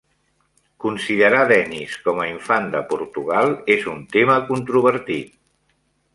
Considerar Denis com a "Infant de Portugal" és un tema controvertit.